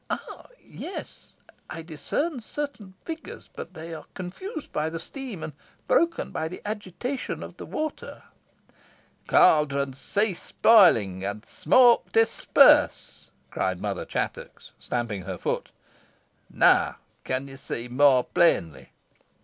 "Ah! yes I discern certain figures, but they are confused by the steam, and broken by the agitation of the water." "Caldron cease boiling! and smoke disperse!" cried Mother Chattox, stamping her foot. "Now, can you see more plainly?"